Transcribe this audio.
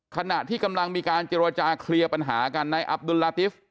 ขณะที่กำลังมีการเจรจาเคลียร์ปัญหากันในอับดุลลาติฟ